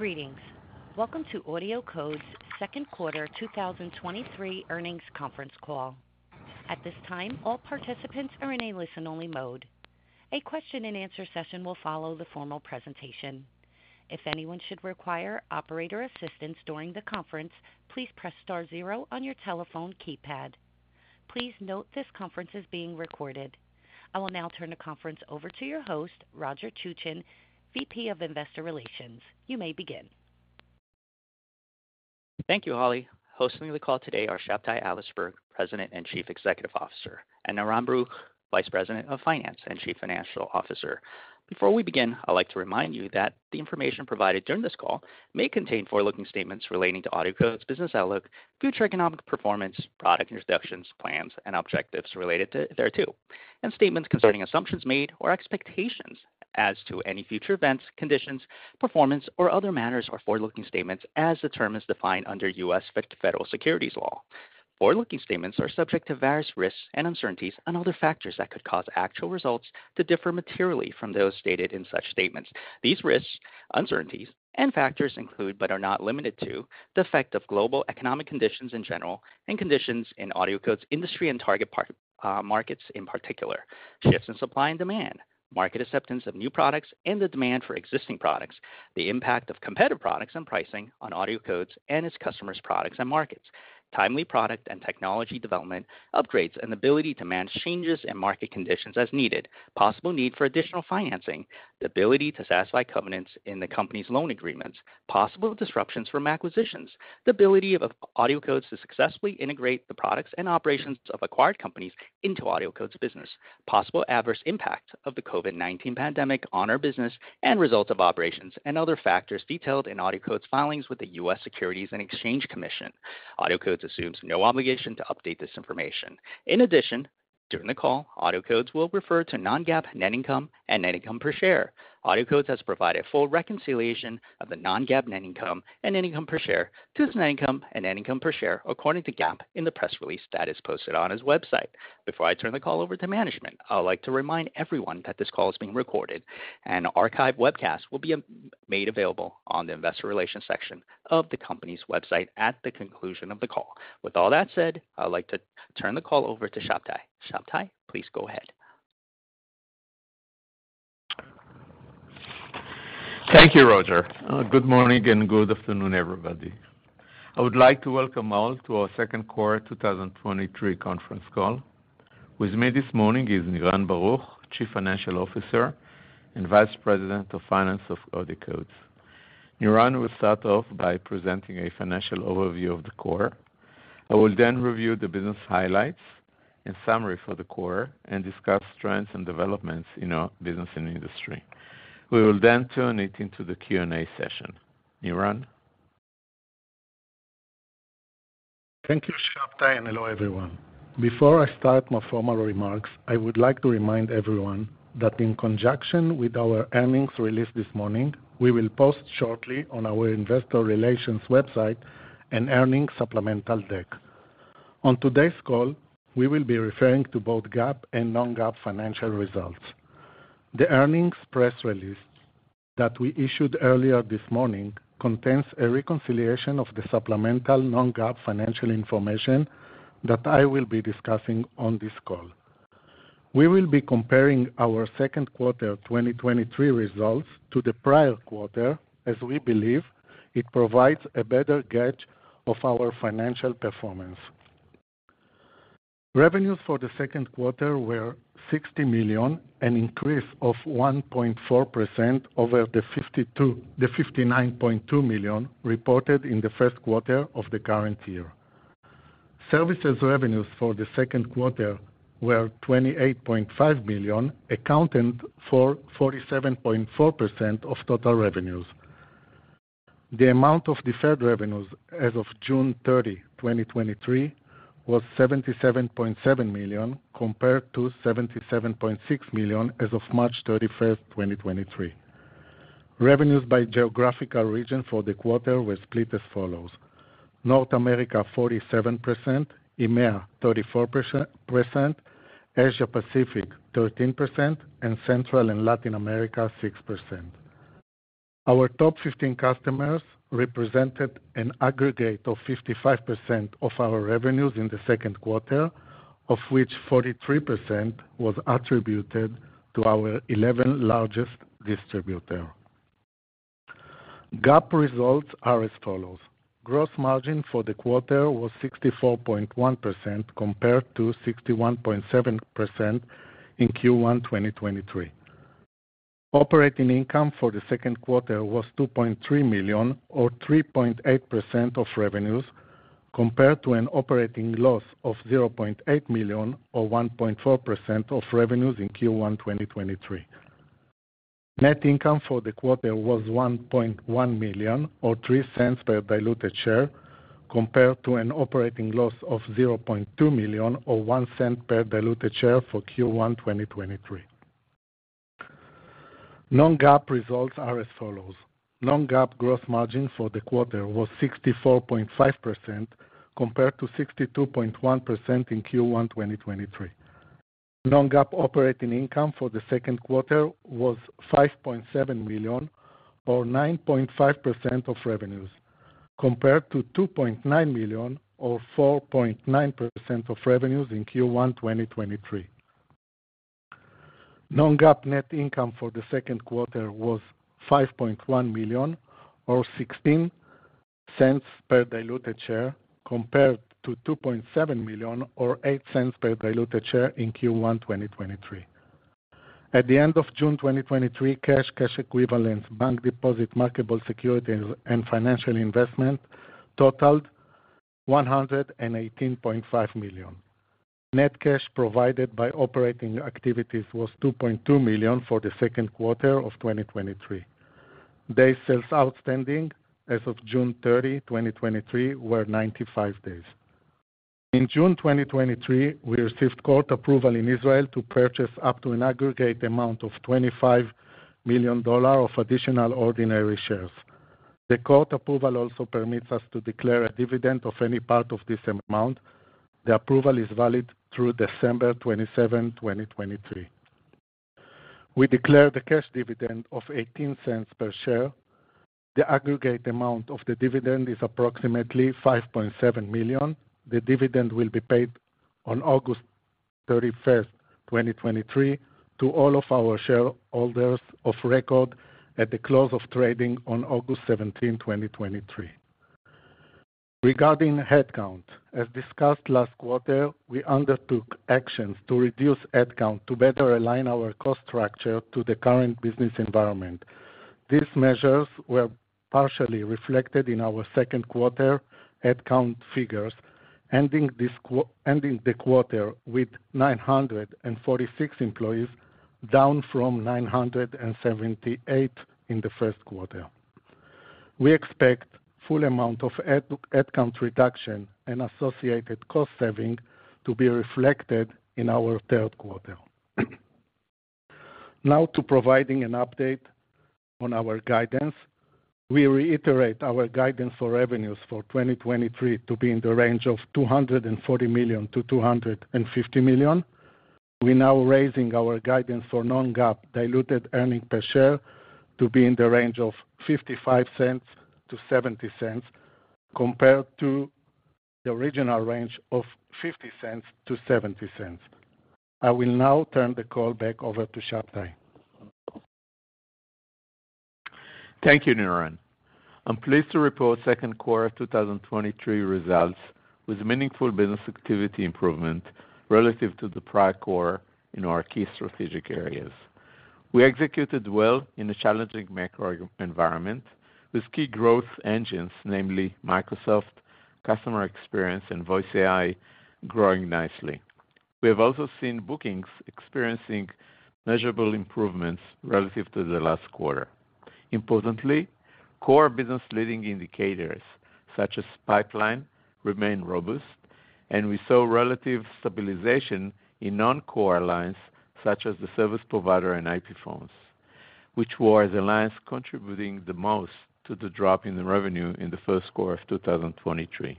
Greetings. Welcome to AudioCodes' Second Quarter 2023 Earnings Conference Call. At this time, all participants are in a listen-only mode. A question-and-answer session will follow the formal presentation. If anyone should require operator assistance during the conference, please press star zero on your telephone keypad. Please note this conference is being recorded. I will now turn the conference over to your host, Roger Chuchen, VP of Investor Relations. You may begin. Thank you, Holly. Hosting the call today are Shabtai Adlersberg, President and Chief Executive Officer, and Niran Baruch, Vice President of Finance and Chief Financial Officer. Before we begin, I'd like to remind you that the information provided during this call may contain forward-looking statements relating to AudioCodes, business outlook, future economic performance, product introductions, plans and objectives related thereto, and statements concerning assumptions made or expectations as to any future events, conditions, performance or other matters or forward-looking statements as the term is defined under U.S. Federal Securities Laws. Forward-looking statements are subject to various risks and uncertainties and other factors that could cause actual results to differ materially from those stated in such statements. These risks, uncertainties, and factors include, but are not limited to, the effect of global economic conditions in general, and conditions in AudioCodes industry and target markets in particular. Shifts in supply and demand, market acceptance of new products and the demand for existing products, the impact of competitive products and pricing on AudioCodes and its customers products and markets. Timely product and technology development, upgrades and ability to manage changes in market conditions as needed. Possible need for additional financing. The ability to satisfy covenants in the company's loan agreements. Possible disruptions from acquisitions. The ability of, AudioCodes to successfully integrate the products and operations of acquired companies into AudioCodes business. Possible adverse impact of the COVID-19 pandemic on our business and results of operations and other factors detailed in AudioCodes filings with the U.S. Securities and Exchange Commission. AudioCodes assumes no obligation to update this information. In addition, during the call, AudioCodes will refer to non-GAAP net income and net income per share. AudioCodes has provided full reconciliation of the non-GAAP net income and net income per share to its net income and net income per share, according to GAAP in the press release that is posted on its website. Before I turn the call over to management, I'd like to remind everyone that this call is being recorded and archived webcast will be made available on the investor relations section of the company's website at the conclusion of the call. All that said, I'd like to turn the call over to Shabtai. Shabtai, please go ahead. Thank you, Roger. Good morning and good afternoon, everybody. I would like to welcome all to our second quarter 2023 conference call. With me this morning is Niran Baruch, Chief Financial Officer and Vice President of Finance of AudioCodes. Niran will start off by presenting a financial overview of the quarter. I will then review the business highlights in summary for the quarter and discuss trends and developments in our business and industry. We will then turn it into the Q&A session. Niran? Thank you, Shabtai, and hello, everyone. Before I start my formal remarks, I would like to remind everyone that in conjunction with our earnings release this morning, we will post shortly on our investor relations website an earnings supplemental deck. On today's call, we will be referring to both GAAP and non-GAAP financial results. The earnings press release that we issued earlier this morning contains a reconciliation of the supplemental non-GAAP financial information that I will be discussing on this call. We will be comparing our second quarter 2023 results to the prior quarter, as we believe it provides a better gauge of our financial performance. Revenues for the second quarter were $60 million, an increase of 1.4% over the $59.2 million reported in the first quarter of the current year. Services revenues for the second quarter were $28.5 million, accounting for 47.4% of total revenues. The amount of deferred revenues as of June 30, 2023, was $77.7 million, compared to $77.6 million as of March 31st, 2023. Revenues by geographical region for the quarter were split as follows: North America, 47%, EMEA, 34%, Asia Pacific, 13%, and Central and Latin America, 6%. Our top 15 customers represented an aggregate of 55% of our revenues in the second quarter, of which 43% was attributed to our 11 largest distributor. GAAP results are as follows: Gross margin for the quarter was 64.1%, compared to 61.7% in Q1 2023. Operating income for the second quarter was $2.3 million, or 3.8% of revenues, compared to an operating loss of $0.8 million, or 1.4% of revenues in Q1 2023. Net income for the quarter was $1.1 million, or $0.03 per diluted share, compared to an operating loss of $0.2 million, or $0.01 per diluted share for Q1 2023. Non-GAAP results are as follows: Non-GAAP gross margin for the quarter was 64.5%, compared to 62.1% in Q1 2023. Non-GAAP operating income for the second quarter was $5.7 million, or 9.5% of revenues, compared to $2.9 million, or 4.9% of revenues in Q1 2023. Non-GAAP net income for the second quarter was $5.1 million, or $0.16 per diluted share, compared to $2.7 million or $0.08 per diluted share in Q1, 2023. At the end of June 2023, cash, cash equivalents, bank deposits, marketable securities, and financial investment totaled $118.5 million. Net cash provided by operating activities was $2.2 million for the second quarter of 2023. Day sales outstanding as of June 30, 2023, were 95 days. In June 2023, we received court approval in Israel to purchase up to an aggregate amount of $25 million of additional ordinary shares. The court approval also permits us to declare a dividend of any part of this amount. The approval is valid through December 27, 2023. We declare the cash dividend of $0.18 per share. The aggregate amount of the dividend is approximately $5.7 million. The dividend will be paid on August 31st, 2023, to all of our shareholders of record at the close of trading on August 17, 2023. Regarding headcount, as discussed last quarter, we undertook actions to reduce headcount to better align our cost structure to the current business environment. These measures were partially reflected in our second quarter headcount figures, ending the quarter with 946 employees, down from 978 in the first quarter. We expect full amount of headcount reduction and associated cost saving to be reflected in our third quarter. Now to providing an update on our guidance. We reiterate our guidance for revenues for 2023 to be in the range of $240 million-$250 million. We're now raising our guidance for non-GAAP diluted earnings per share to be in the range of $0.55-$0.70, compared to the original range of $0.50-$0.70. I will now turn the call back over to Shai. Thank you, Niran. I'm pleased to report second quarter 2023 results, with meaningful business activity improvement relative to the prior quarter in our key strategic areas. We executed well in a challenging macro environment, with key growth engines, namely Microsoft, customer experience, and Voice AI, growing nicely. We have also seen bookings experiencing measurable improvements relative to the last quarter. Importantly, core business leading indicators, such as pipeline, remain robust, and we saw relative stabilization in non-core lines, such as the service provider and IP phones, which were the lines contributing the most to the drop in the revenue in the first quarter of 2023.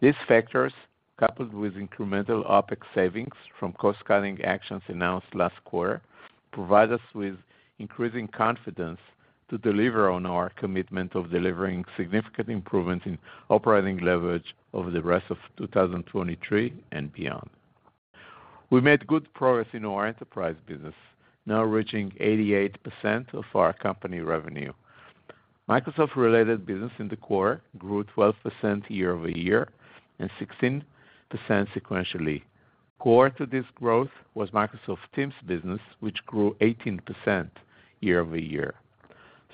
These factors, coupled with incremental OpEx savings from cost-cutting actions announced last quarter, provide us with increasing confidence to deliver on our commitment of delivering significant improvement in operating leverage over the rest of 2023 and beyond. We made good progress in our enterprise business, now reaching 88% of our company revenue. Microsoft-related business in the quarter grew 12% year-over-year and 16% sequentially. Core to this growth was Microsoft Teams business, which grew 18% year-over-year.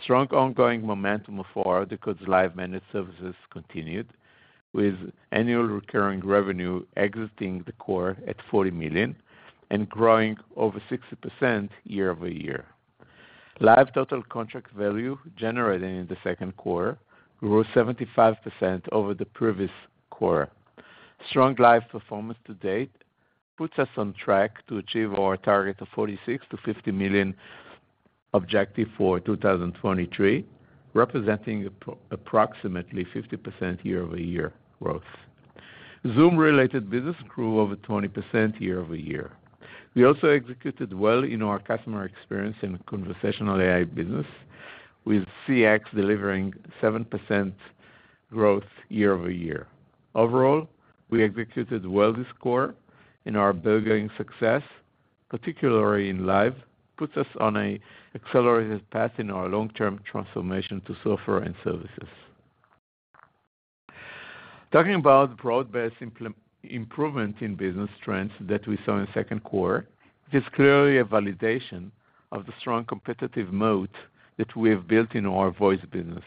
Strong ongoing momentum of our AudioCodes Live managed services continued, with annual recurring revenue exiting the quarter at $40 million and growing over 60% year-over-year. Live total contract value generated in the second quarter grew 75% over the previous quarter. Strong Live performance to date puts us on track to achieve our target of $46 million-$50 million objective for 2023, representing approximately 50% year-over-year growth. Zoom-related business grew over 20% year-over-year. We also executed well in our customer experience and conversational AI business, with CX delivering 7% growth year-over-year. Overall, we executed well this quarter, and our building success, particularly in Live, puts us on an accelerated path in our long-term transformation to software and services. Talking about broad-based improvement in business trends that we saw in the second quarter, it is clearly a validation of the strong competitive moat that we have built in our voice business.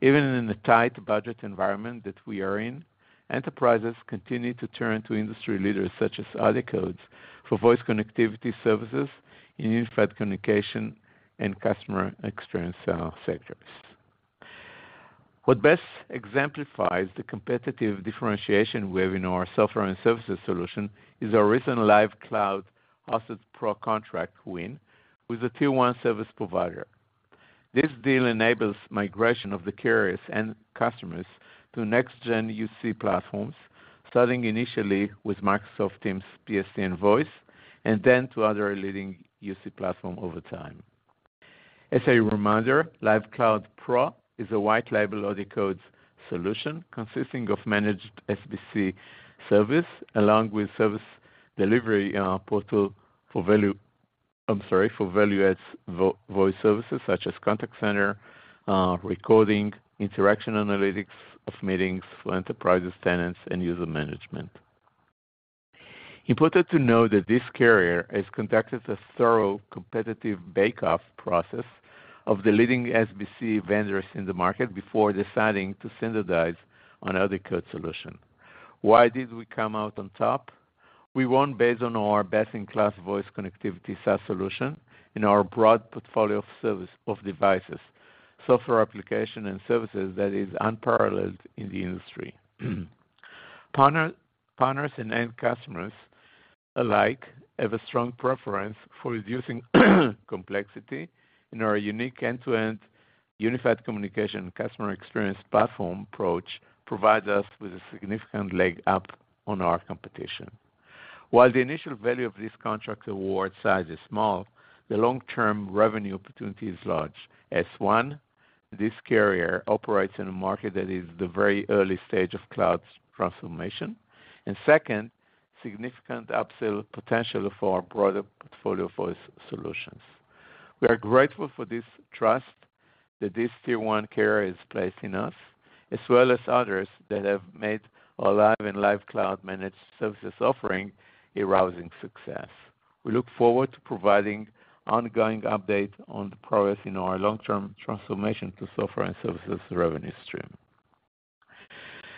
Even in the tight budget environment that we are in, enterprises continue to turn to industry leaders, such as AudioCodes, for voice connectivity services in unified communication and customer experience sectors. What best exemplifies the competitive differentiation we have in our software and services solution is our recent Live Cloud Asset Pro contract win with a Tier 1 service provider. This deal enables migration of the carriers and customers to next-gen UC platforms, starting initially with Microsoft Teams, PSTN Voice, and then to other leading UC platform over time. As a reminder, Live Cloud Pro is a white-label AudioCodes solution consisting of managed SBC service, along with service delivery portal for value-add voice services such as contact center recording, Interaction Analytics of meetings for enterprises, tenants, and user management. Important to note that this carrier has conducted a thorough competitive bake-off process of the leading SBC vendors in the market before deciding to standardize on AudioCodes solution. Why did we come out on top? We won based on our best-in-class voice connectivity SaaS solution and our broad portfolio of service of devices, software application, and services that is unparalleled in the industry. Partners, partners and end customers alike have a strong preference for reducing complexity, and our unique end-to-end unified communication customer experience platform approach provides us with a significant leg up on our competition. While the initial value of this contract award size is small, the long-term revenue opportunity is large. As one, this carrier operates in a market that is the very early stage of cloud transformation, and second, significant upsell potential for our broader portfolio of voice solutions. We are grateful for this trust that this Tier 1 carrier has placed in us, as well as others that have made our Live and Live Cloud managed services offering a rousing success. We look forward to providing ongoing update on the progress in our long-term transformation to software and services revenue stream.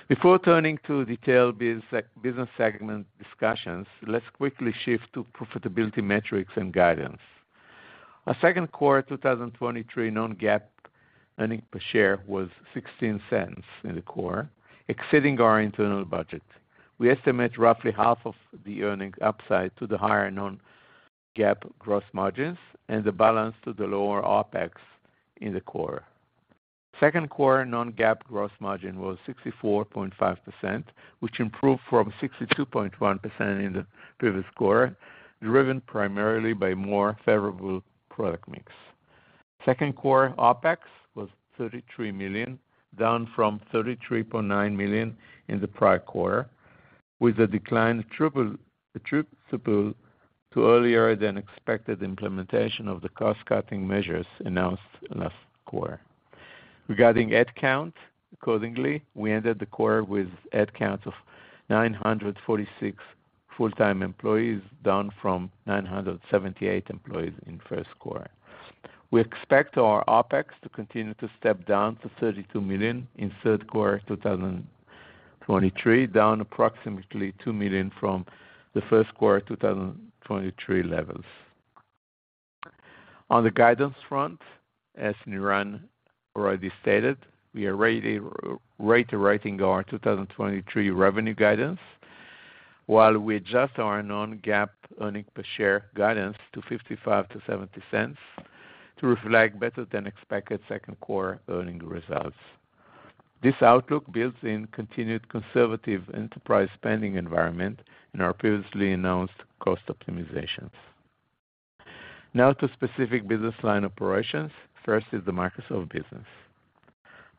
Before turning to detailed business segment discussions, let's quickly shift to profitability metrics and guidance. Our second quarter, 2023 non-GAAP earnings per share was $0.16 in the quarter, exceeding our internal budget. We estimate roughly half of the earning upside to the higher non-GAAP gross margins and the balance to the lower OpEx in the quarter. Second quarter non-GAAP gross margin was 64.5%, which improved from 62.1% in the previous quarter, driven primarily by more favorable product mix. Second quarter OpEx was $33 million, down from $33.9 million in the prior quarter, with a decline attributable to earlier than expected implementation of the cost-cutting measures announced last quarter. Regarding head count, accordingly, we ended the quarter with head count of 946 full-time employees, down from 978 employees in first quarter. We expect our OpEx to continue to step down to $32 million in third quarter 2023, down approximately $2 million from the first quarter 2023 levels. On the guidance front, as Niran already stated, we are re-writing our 2023 revenue guidance, while we adjust our non-GAAP earnings per share guidance to $0.55-$0.70 to reflect better than expected second quarter earning results. This outlook builds in continued conservative enterprise spending environment in our previously announced cost optimizations. Now to specific business line operations. First is the Microsoft Business.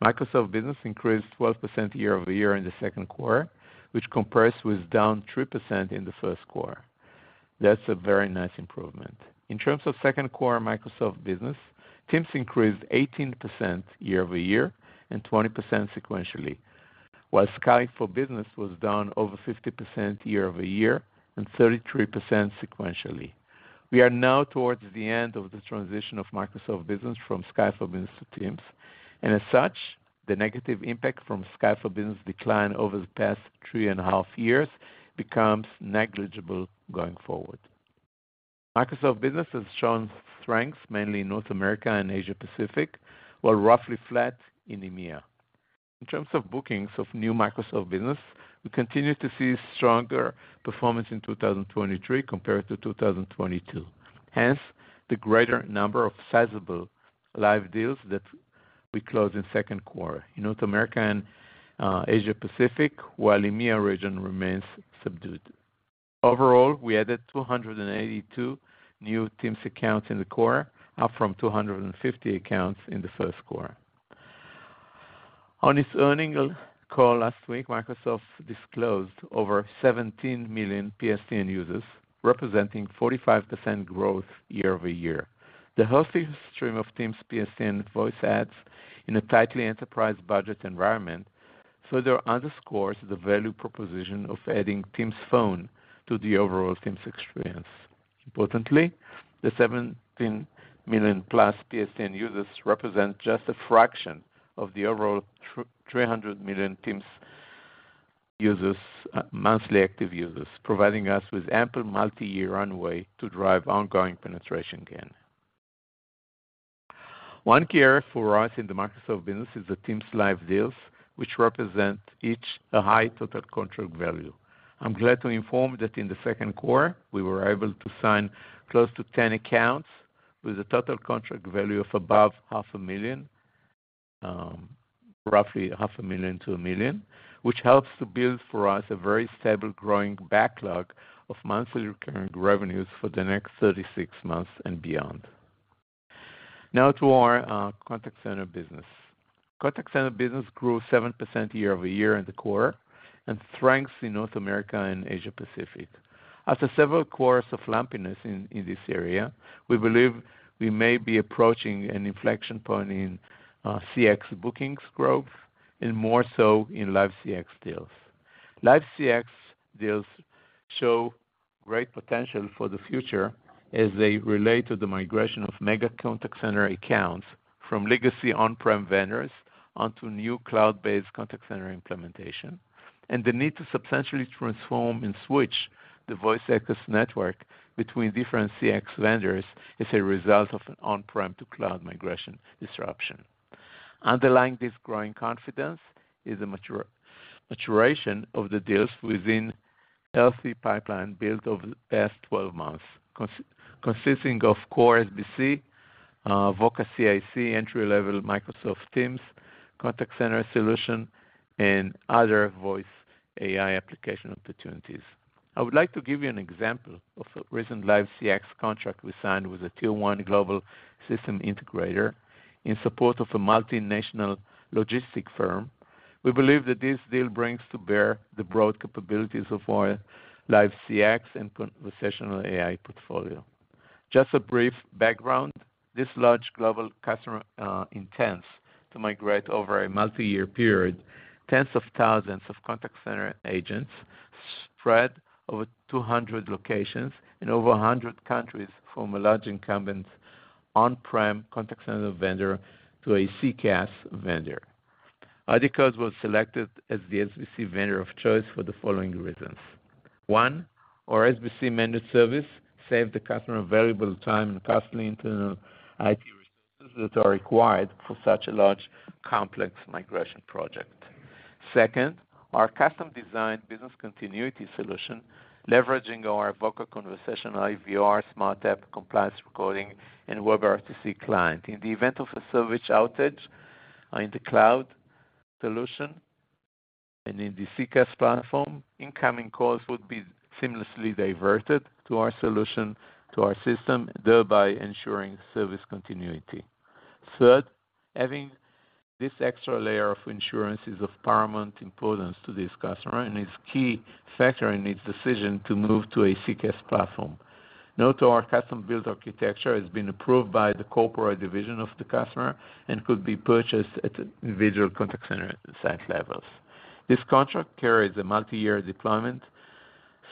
Microsoft Business increased 12% year-over-year in the second quarter, which compares with down 3% in the first quarter. That's a very nice improvement. In terms of second quarter Microsoft Business, Teams increased 18% year-over-year and 20% sequentially, while Skype for Business was down over 50% year-over-year and 33% sequentially. We are now towards the end of the transition of Microsoft Business from Skype for Business to Teams, and as such, the negative impact from Skype for Business decline over the past 3.5 years becomes negligible going forward. Microsoft Business has shown strength, mainly in North America and Asia Pacific, while roughly flat in EMEA. In terms of bookings of new Microsoft Business, we continue to see stronger performance in 2023 compared to 2022. Hence, the greater number of sizable live deals that we closed in second quarter. In North America and Asia Pacific, while EMEA region remains subdued. Overall, we added 282 new Teams accounts in the quarter, up from 250 accounts in the first quarter. On its earning call last week, Microsoft disclosed over 17 million PSTN users, representing 45% growth year-over-year. The healthy stream of Teams PSTN voice adds in a tightly enterprise budget environment further underscores the value proposition of adding Teams Phone to the overall Teams experience. Importantly, the 17 million-plus PSTN users represent just a fraction of the overall 300 million Teams users, monthly active users, providing us with ample multi-year runway to drive ongoing penetration gain. One key area for us in the Microsoft Business is the Teams live deals, which represent each a high total contract value. I'm glad to inform you that in the second quarter, we were able to sign close to 10 accounts with a total contract value of above $500,000, roughly $500,000-$1 million, which helps to build for us a very stable, growing backlog of monthly recurring revenues for the next 36 months and beyond. Now to our contact center business. Contact center business grew 7% year-over-year in the quarter, and strengths in North America and Asia Pacific. After several quarters of lumpiness in, in this area, we believe we may be approaching an inflection point in CX bookings growth, and more so in Live CX deals. Live CX deals show great potential for the future as they relate to the migration of mega contact center accounts from legacy on-prem vendors onto new cloud-based contact center implementation, and the need to substantially transform and switch the voice access network between different CX vendors as a result of an on-prem to cloud migration disruption. Underlying this growing confidence is a maturation of the deals within healthy pipeline built over the past 12 months, consisting of core SBC, Voca CIC, entry-level Microsoft Teams, contact center solution, and other Voice AI application opportunities. I would like to give you an example of a recent Live CX contract we signed with a Tier 1 global system integrator in support of a multinational logistic firm. We believe that this deal brings to bear the broad capabilities of our Live CX and conversational AI portfolio. Just a brief background, this large global customer, intends to migrate over a multi-year period, tens of thousands of contact center agents spread over 200 locations in over 100 countries, from a large incumbent's on-prem contact center vendor to a CCaaS vendor. AudioCodes was selected as the SBC vendor of choice for the following reasons. One, our SBC managed service saved the customer variable time and costly internal IT resources that are required for such a large, complex migration project. Second, our custom-designed business continuity solution, leveraging our Voca conversational IVR, SmartTAP, compliance recording, and WebRTC client. In the event of a service outage in the cloud solution and in the CCaaS platform, incoming calls would be seamlessly diverted to our solution, to our system, thereby ensuring service continuity. Third, having this extra layer of insurance is of paramount importance to this customer and is key factor in its decision to move to a CCaaS platform. To our custom-built architecture has been approved by the corporate division of the customer and could be purchased at individual contact center site levels. This contract carries a multi-year deployment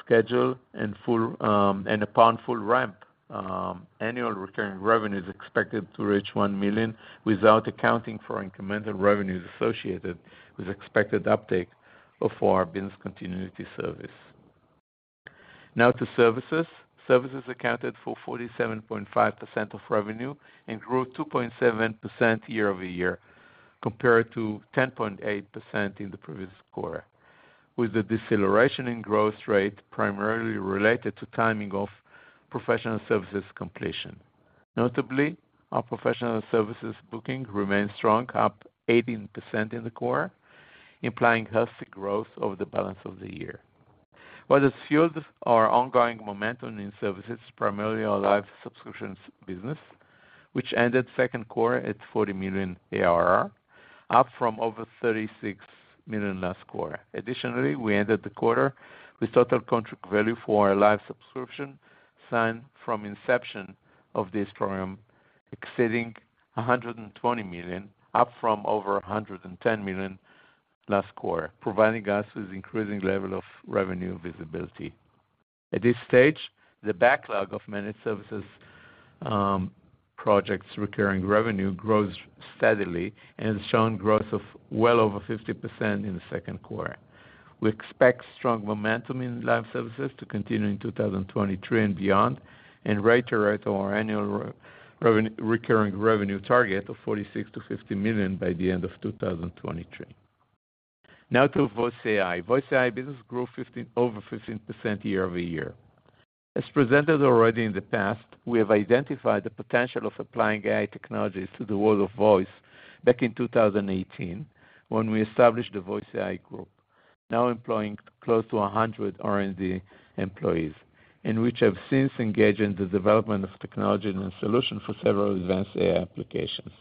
schedule and full. Upon full ramp, annual recurring revenue is expected to reach $1 million, without accounting for incremental revenues associated with expected uptake of our business continuity service. To services. Services accounted for 47.5% of revenue and grew 2.7% year-over-year, compared to 10.8% in the previous quarter, with the deceleration in growth rate primarily related to timing of professional services completion. Notably, our professional services booking remains strong, up 18% in the quarter, implying healthy growth over the balance of the year. What has fueled our ongoing momentum in services, primarily our Live subscriptions business, which ended second quarter at $40 million ARR, up from over $36 million last quarter. Additionally, we ended the quarter with total contract value for our Live subscription signed from inception of this program, exceeding $120 million, up from over $110 million last quarter, providing us with increasing level of revenue visibility. At this stage, the backlog of managed services, projects recurring revenue grows steadily and has shown growth of well over 50% in the second quarter. We expect strong momentum in Live services to continue in 2023 and beyond. Right to right our annual recurring revenue target of $46 million-$50 million by the end of 2023. Now to Voice AI. Voice AI business grew over 15% year-over-year. As presented already in the past, we have identified the potential of applying AI technologies to the world of voice back in 2018, when we established the Voice AI group, now employing close to 100 R&D employees, and which have since engaged in the development of technology and solution for several advanced AI applications.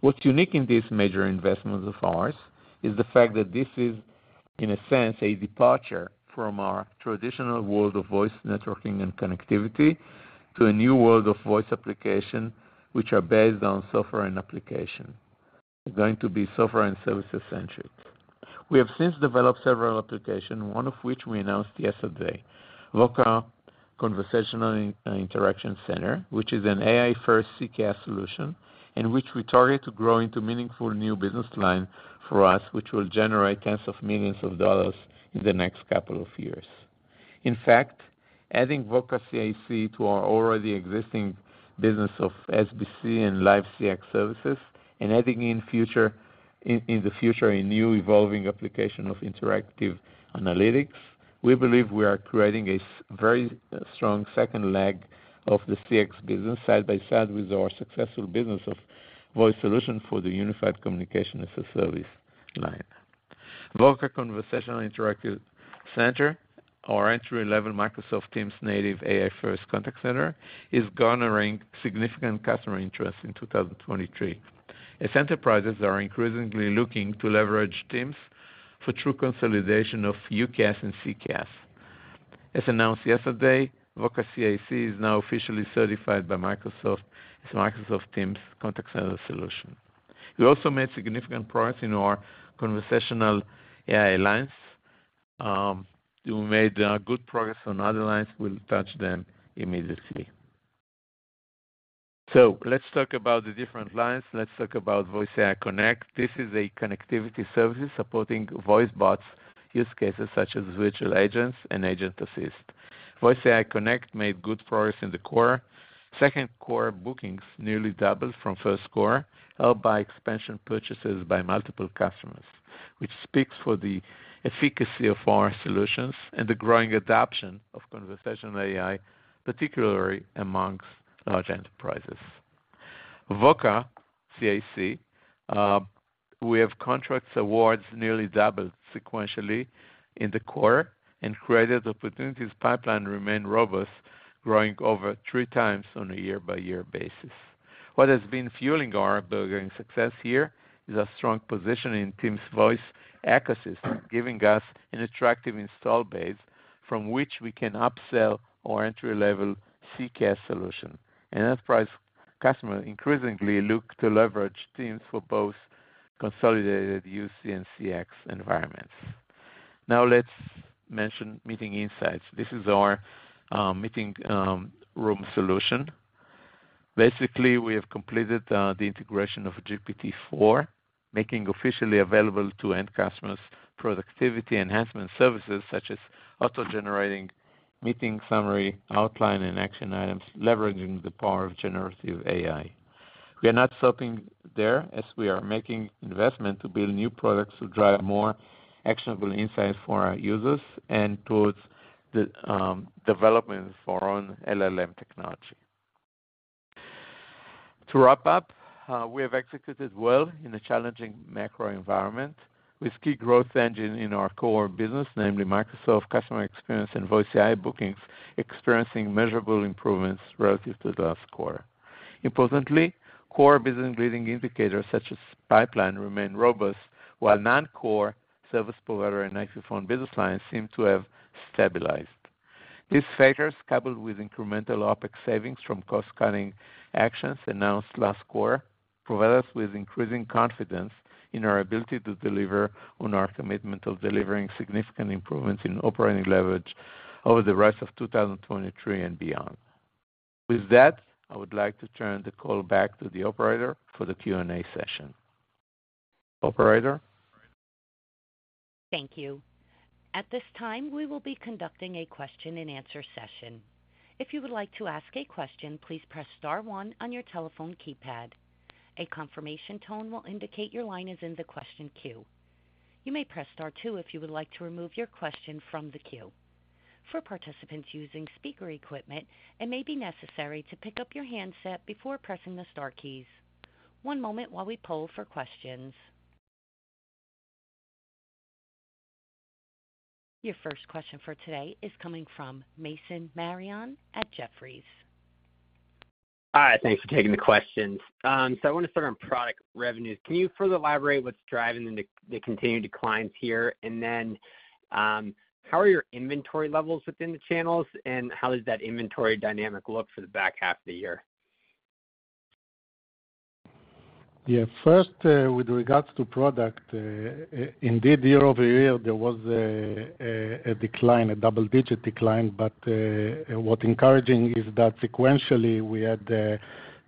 What's unique in this major investment of ours, is the fact that this is, in a sense, a departure from our traditional world of voice networking and connectivity, to a new world of voice application, which are based on software and application. Going to be software and services centric. We have since developed several applications, one of which we announced yesterday, Voca Conversational Interaction Center, which is an AI-first CCaaS solution, and which we target to grow into meaningful new business line for us, which will generate tens of millions of dollars in the next couple of years. In fact, adding Voca CIC to our already existing business of SBC and Live CX services, and adding in the future, a new evolving application of Interaction Analytics. We believe we are creating a very strong second leg of the CX business, side by side with our successful business of voice solution for the Unified Communications as a Service line. Voca Conversational Interaction Center, our entry-level Microsoft Teams native AI-first contact center, is garnering significant customer interest in 2023, as enterprises are increasingly looking to leverage Teams for true consolidation of UCaaS and CCaaS. As announced yesterday, Voca CIC is now officially certified by Microsoft as a Microsoft Teams contact center solution. We also made significant progress in our conversational AI lines. We made good progress on other lines. We'll touch them immediately. Let's talk about the different lines. Let's talk about VoiceAI Connect. This is a connectivity service supporting voice bots use cases such as virtual agents and agent assist. VoiceAI Connect made good progress in the quarter. 2nd quarter bookings nearly doubled from 1st quarter, helped by expansion purchases by multiple customers, which speaks for the efficacy of our solutions and the growing adoption of conversational AI, particularly amongst large enterprises. Voca CIC, we have contracts awards nearly doubled sequentially in the quarter and created opportunities pipeline remain robust, growing over 3x on a year-by-year basis. What has been fueling our burgeoning success here is a strong position in Teams Voice ecosystem, giving us an attractive install base from which we can upsell our entry-level CCaaS solution. Enterprise customers increasingly look to leverage Teams for both consolidated UC and CX environments. Now, let's mention Meeting Insights. This is our meeting room solution. Basically, we have completed the integration of GPT-4, making officially available to end customers productivity enhancement services such as auto-generating meeting summary, outline, and action items, leveraging the power of generative AI. We are not stopping there, as we are making investment to build new products to drive more actionable insights for our users and towards the development for our own LLM technology. To wrap up, we have executed well in a challenging macro environment with key growth engine in our core business, namely Microsoft Customer Experience and Voice AI bookings, experiencing measurable improvements relative to the last quarter. Importantly, core business leading indicators such as pipeline remain robust, while non-core service provider and IP phone business lines seem to have stabilized. These factors, coupled with incremental OpEx savings from cost-cutting actions announced last quarter, provide us with increasing confidence in our ability to deliver on our commitment of delivering significant improvements in operating leverage over the rest of 2023 and beyond. With that, I would like to turn the call back to the operator for the Q&A session. Operator? Thank you. At this time, we will be conducting a question-and-answer session. If you would like to ask a question, please press star one on your telephone keypad. A confirmation tone will indicate your line is in the question queue. You may press star two if you would like to remove your question from the queue. For participants using speaker equipment, it may be necessary to pick up your handset before pressing the star keys. One moment while we poll for questions. Your first question for today is coming from Mason Marion at Jefferies. Hi, thanks for taking the questions. I want to start on product revenues. Can you further elaborate what's driving the continued declines here? How are your inventory levels within the channels, and how does that inventory dynamic look for the back half of the year? Yeah, first, with regards to product, indeed, year-over-year, there was a decline, a double-digit decline. What encouraging is that sequentially, we had a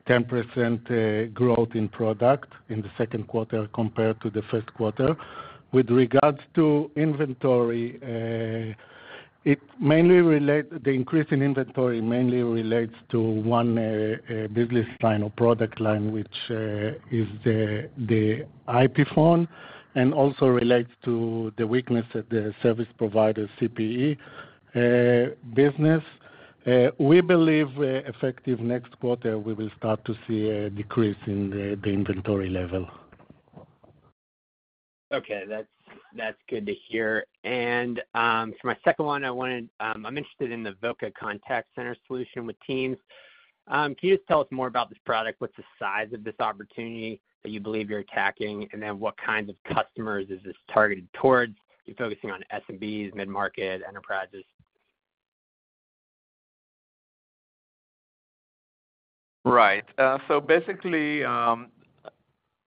10% growth in product in the second quarter compared to the first quarter. With regards to inventory, the increase in inventory mainly relates to 1 business line or product line, which is the IP phone, and also relates to the weakness of the service provider, CPE business. We believe, effective next quarter, we will start to see a decrease in the inventory level. Okay, that's, that's good to hear. For my second one, I'm interested in the Voca Contact Center solution with Teams. Can you just tell us more about this product? What's the size of this opportunity that you believe you're attacking, and then what kinds of customers is this targeted towards? You're focusing on SMBs, mid-market, enterprises? Right. Basically,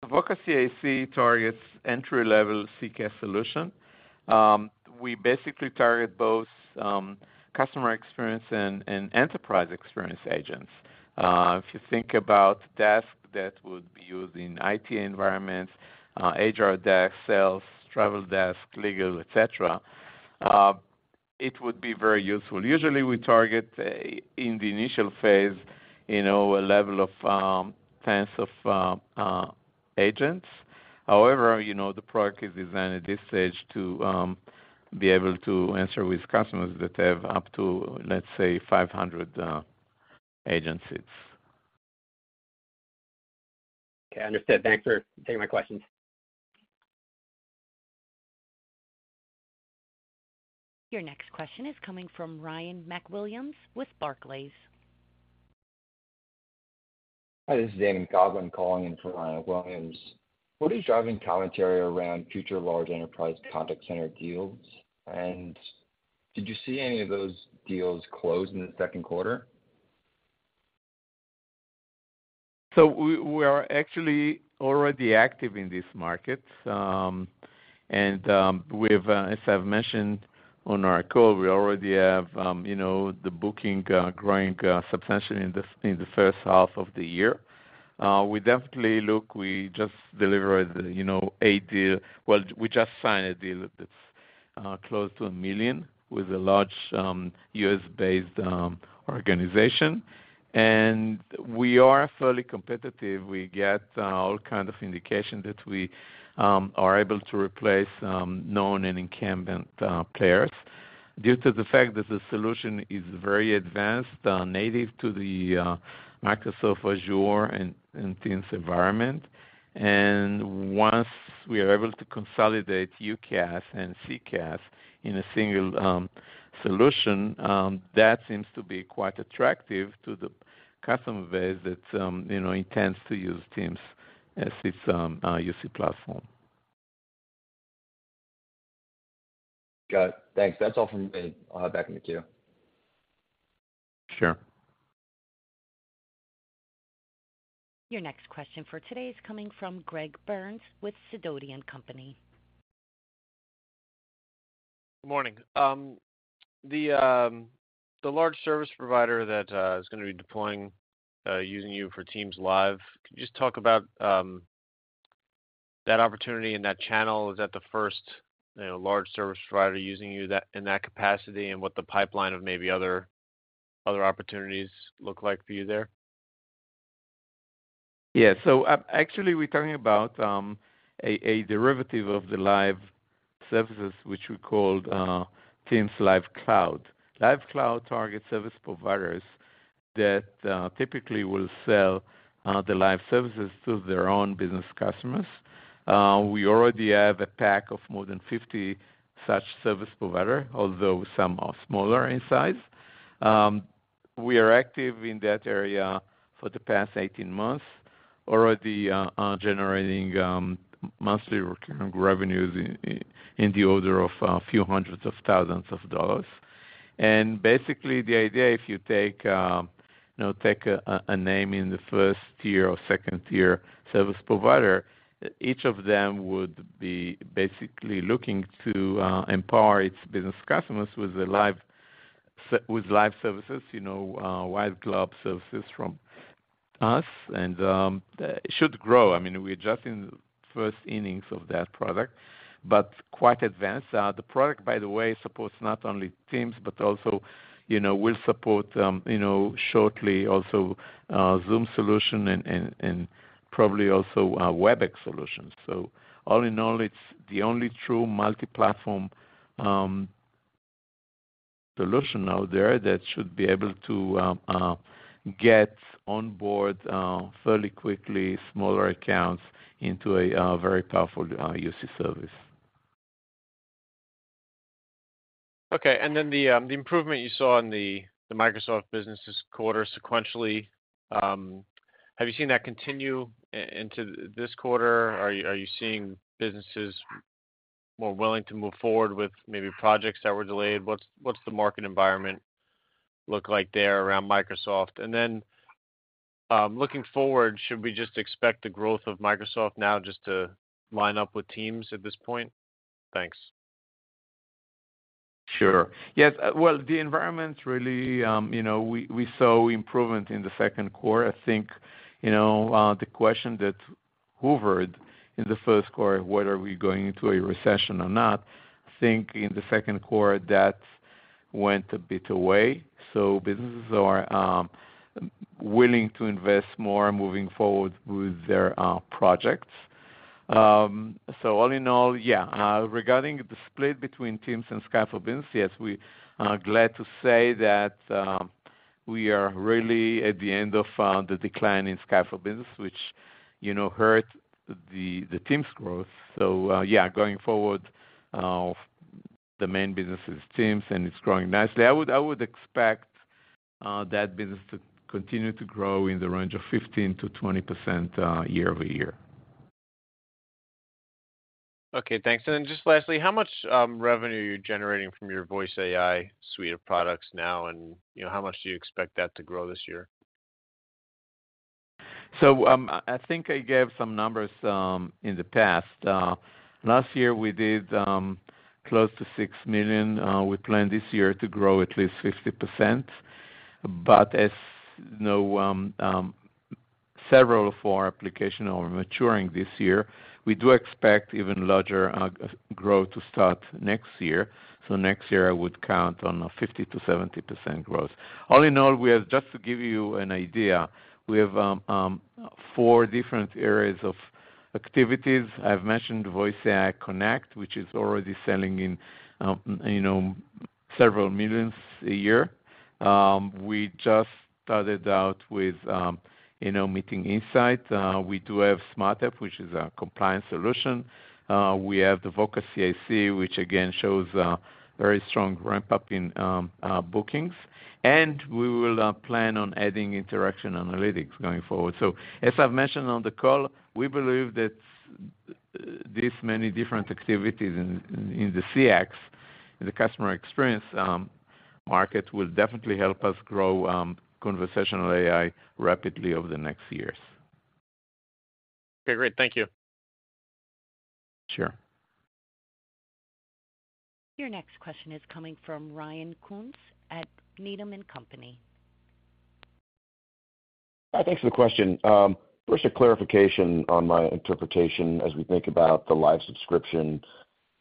Voca CIC targets entry-level CCaaS solution. We basically target both customer experience and enterprise experience agents. If you think about desk, that would be used in IT environments, HR desk, sales, travel desk, legal, et cetera. It would be very useful. Usually, we target, in the initial phase, you know, a level of tens of agents. However, you know, the product is designed at this stage to be able to answer with customers that have up to, let's say, 500 agent seats. Okay, understood. Thanks for taking my questions. Your next question is coming from Ryan MacWilliams with Barclays. Hi, this is Damon Godwin calling in for Ryan MacWilliams. What is driving commentary around future large enterprise contact center deals? Did you see any of those deals close in the second quarter? We, we are actually already active in this market. We've, as I've mentioned on our call, we already have, you know, the booking growing substantially in the first half of the year. We definitely look, Well, we just signed a deal that's close to $1 million with a large, U.S.-based organization, and we are fairly competitive. We get all kinds of indications that we are able to replace known and incumbent players due to the fact that the solution is very advanced, native to the Microsoft Azure and Teams environment. Once we are able to consolidate UCaaS and CCaaS in a single solution that seems to be quite attractive to the customer base that, you know, intends to use Teams as its UC platform. Got it. Thanks. That's all from me. I'll hop back in the queue. Sure. Your next question for today is coming from Greg Burns with Sidoti & Company. Good morning. The, the large service provider that is gonna be deploying using you for Teams Live, could you just talk about that opportunity and that channel? Is that the first, you know, large service provider using you that, in that capacity, and what the pipeline of maybe other, other opportunities look like for you there? Actually, we're talking about a, a derivative of the Live services, which we called Teams Live Cloud. Live Cloud targets service providers that typically will sell the Live services to their own business customers. We already have a pack of more than 50 such service provider, although some are smaller in size. We are active in that area for the past 18 months, already generating monthly recurring revenues in, in the order of a few hundreds of thousands of dollars. Basically, the idea, if you take, you know, take a, a name in the 1st-tier or 2nd-tier service provider, each of them would be basically looking to empower its business customers with Live services, you know, Live Cloud services from us. It should grow. I mean, we're just in the first innings of that product, but quite advanced. The product, by the way, supports not only Teams, but also, you know, will support, you know, shortly also, Zoom solution and, and, and probably also, Webex solutions. All in all, it's the only true multi-platform solution out there that should be able to get on board fairly quickly, smaller accounts into a very powerful UC service. Okay, and then the improvement you saw in the Microsoft businesses quarter sequentially, have you seen that continue into this quarter? Are you, are you seeing businesses more willing to move forward with maybe projects that were delayed? What's, what's the market environment look like there around Microsoft? Looking forward, should we just expect the growth of Microsoft now just to line up with Teams at this point? Thanks. Sure. Yes, well, the environment really, you know, we, we saw improvement in the second quarter. I think, you know, the question that hovered in the first quarter, whether are we going into a recession or not, I think in the second quarter, that went a bit away, so businesses are willing to invest more moving forward with their projects. All in all, yeah, regarding the split between Teams and Skype for Business, yes, we are glad to say that we are really at the end of the decline in Skype for Business, which, you know, hurt the, the Teams growth. Yeah, going forward, the main business is Teams, and it's growing nicely. I would, I would expect that business to continue to grow in the range of 15%-20% year-over-year. Okay, thanks. Then just lastly, how much revenue are you generating from your Voice AI suite of products now? You know, how much do you expect that to grow this year? I, I think I gave some numbers in the past. Last year we did close to $6 million. We plan this year to grow at least 50%, but as you know, several of our applications are maturing this year. We do expect even larger growth to start next year. Next year, I would count on a 50%-70% growth. All in all, we have, just to give you an idea, we have four different areas of activities. I've mentioned Voice AI Connect, which is already selling in, you know, several millions a year. We just started out with, you know, Meeting Insights. We do have Smart App, which is a compliance solution. We have the Voca CIC, which again, shows a very strong ramp-up in bookings, and we will plan on adding Interaction Analytics going forward. As I've mentioned on the call, we believe that these many different activities in the CX, in the customer experience market, will definitely help us grow conversational AI rapidly over the next years. Okay, great. Thank you. Sure. Your next question is coming from Ryan Koontz at Needham & Company. Hi, thanks for the question. First, a clarification on my interpretation as we think about the live subscription,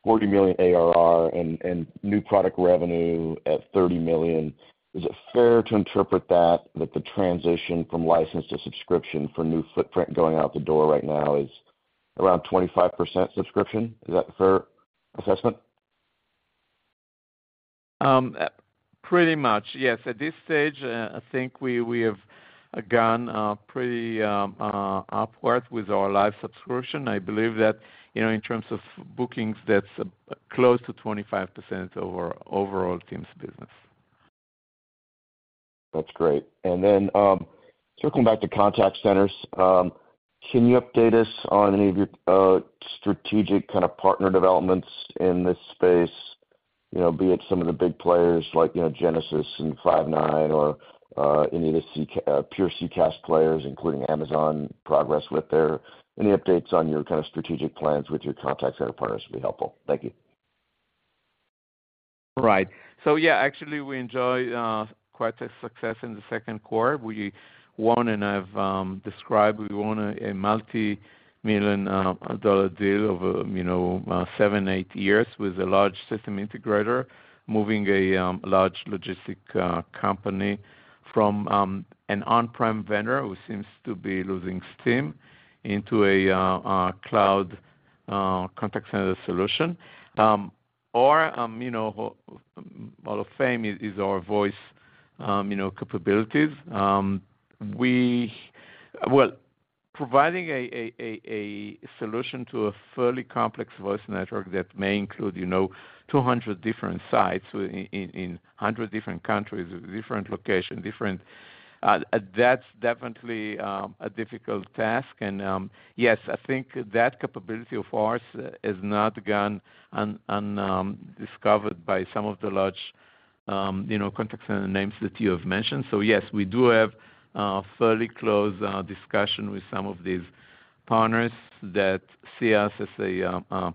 $40 million ARR and, and new product revenue at $30 million. Is it fair to interpret that, that the transition from license to subscription for new footprint going out the door right now is around 25% subscription? Is that a fair assessment? Pretty much, yes. At this stage, I think we, we have gone, pretty, upward with our Live subscription. I believe that, you know, in terms of bookings, that's close to 25% of our overall Teams business. That's great. Then, circling back to contact centers, can you update us on any of your, strategic kind of partner developments in this space? You know, be it some of the big players like, you know, Genesys and Five9 or, any of the pure CCaaS players, including Amazon progress with there. Any updates on your kind of strategic plans with your contact center partners will be helpful. Thank you. Right. Yeah, actually, we enjoy quite a success in the second quarter. We won, and I've described, we won a multi-million dollar deal over, you know, seven, eight years with a large system integrator, moving a large logistic company from an on-prem vendor who seems to be losing steam into a cloud contact center solution. Or, you know, hall of fame is our voice, you know, capabilities. Well, providing a solution to a fairly complex voice network that may include, you know, 200 different sites in 100 different countries, with different locations, different, that's definitely a difficult task. Yes, I think that capability of ours is not gone undiscovered by some of the large, you know, contact center names that you have mentioned. Yes, we do have, fairly close discussion with some of these partners that see us as a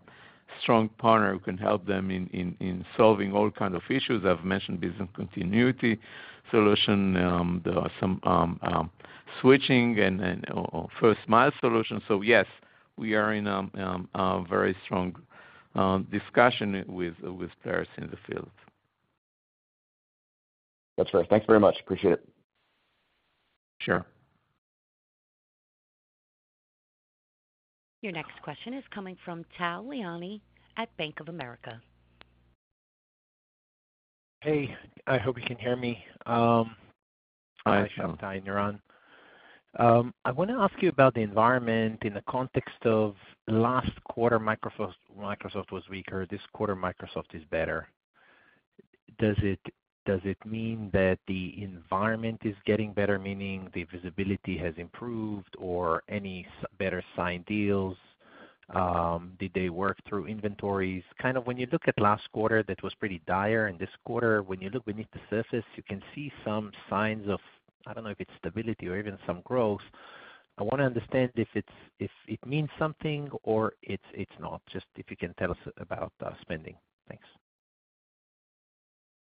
strong partner who can help them in, in, in solving all kinds of issues. I've mentioned business continuity solution, there are some switching and, and, or first mile solution. Yes, we are in a very strong discussion with, with players in the field. That's fair. Thanks very much. Appreciate it. Sure. Your next question is coming from Tal Liani at Bank of America. Hey, I hope you can hear me. Hi, Tal. Hi, Niran. I want to ask you about the environment in the context of last quarter, Microsoft, Microsoft was weaker, this quarter, Microsoft is better. Does it, does it mean that the environment is getting better, meaning the visibility has improved or any better signed deals? Did they work through inventories? Kind of when you look at last quarter, that was pretty dire, and this quarter, when you look beneath the surface, you can see some signs of, I don't know if it's stability or even some growth. I want to understand if it means something or it's, it's not. Just if you can tell us about spending. Thanks.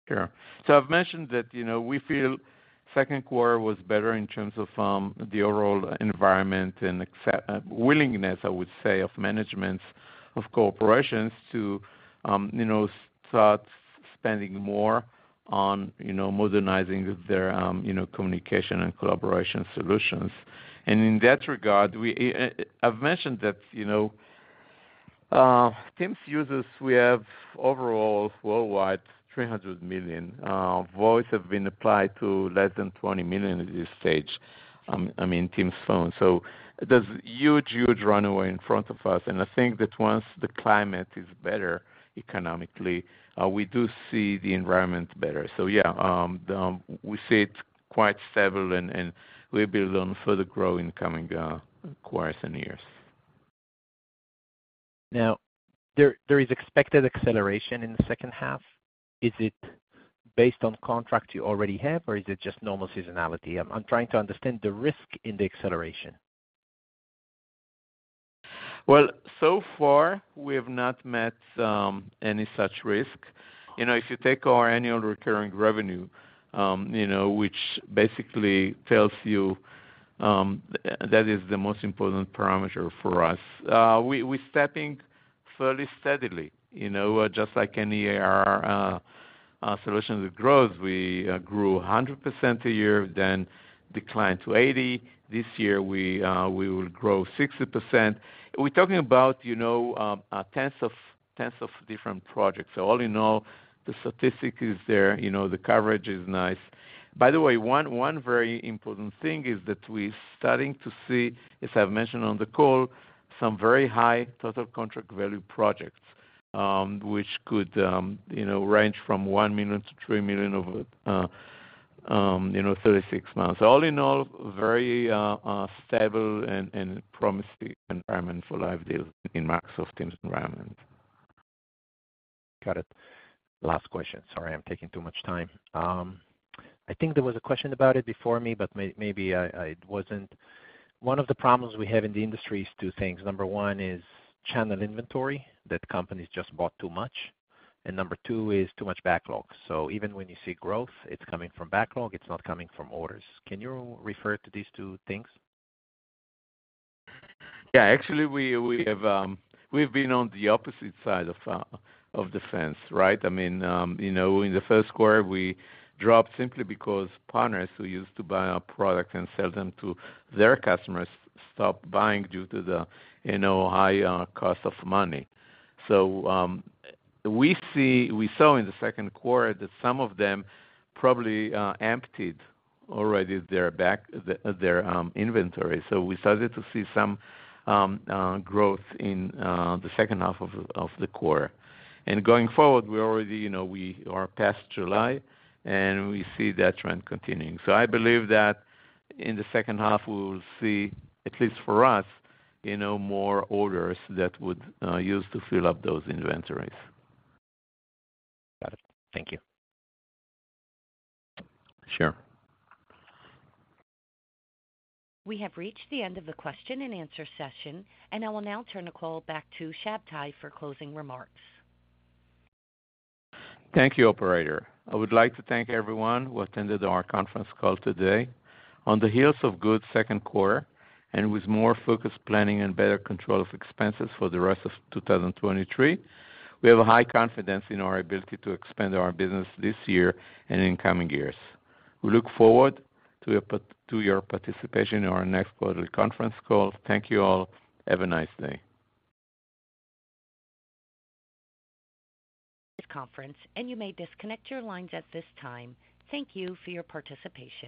Sure. I've mentioned that, you know, we feel second quarter was better in terms of, the overall environment and accept willingness, I would say, of managements, of corporations to, you know, start spending more on, you know, modernizing their, you know, communication and collaboration solutions. In that regard, we, I've mentioned that, you know, Teams users, we have overall worldwide, 300 million. Voice have been applied to less than 20 million at this stage, I mean, Teams Phone. There's huge, huge runway in front of us, and I think that once the climate is better economically, we do see the environment better. Yeah, the, we see it quite several and, and we build on further growth in coming, quarters and years. There, there is expected acceleration in the second half. Is it based on contracts you already have, or is it just normal seasonality? I'm trying to understand the risk in the acceleration. Well, so far, we have not met any such risk. You know, if you take our annual recurring revenue, you know, which basically tells you that is the most important parameter for us. We, we're stepping fairly steadily, you know, just like any ARR solutions with growth. We grew 100% a year, then declined to 80. This year, we will grow 60%. We're talking about, you know, tens of, tens of different projects. All in all, the statistic is there, you know, the coverage is nice. By the way, one, one very important thing is that we're starting to see, as I've mentioned on the call, some very high total contract value projects, which could, you know, range from $1 million to $3 million over 36 months. All in all, very stable and promising environment for Live deals in Microsoft Teams environment. Got it. Last question. Sorry, I'm taking too much time. I think there was a question about it before me, but maybe it wasn't. One of the problems we have in the industry is two things. Number one is channel inventory, that companies just bought too much, and number two is too much backlog. Even when you see growth, it's coming from backlog, it's not coming from orders. Can you refer to these two things? Yeah. Actually, we, we have, we've been on the opposite side of the fence, right? I mean, you know, in the first quarter, we dropped simply because partners who used to buy our product and sell them to their customers stopped buying due to the, you know, high cost of money. We saw in the second quarter that some of them probably emptied already their back, their inventory. We started to see some growth in the second half of the quarter. Going forward, we already, you know, we are past July, and we see that trend continuing. I believe that in the second half, we will see, at least for us, you know, more orders that would use to fill up those inventories. Got it. Thank you. Sure. We have reached the end of the question-and-answer session, and I will now turn the call back to Shabtai for closing remarks. Thank you, operator. I would like to thank everyone who attended our conference call today. On the heels of good 2nd quarter and with more focused planning and better control of expenses for the rest of 2023, we have a high confidence in our ability to expand our business this year and in coming years. We look forward to your, to your participation in our next quarter conference call. Thank you all. Have a nice day. Conference. You may disconnect your lines at this time. Thank you for your participation.